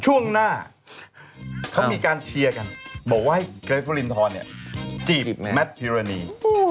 ช่วงหน้าเขามีการเชียร์กันบอกว่าให้เกรทวรินทรเนี่ยจีบแมทพิรณี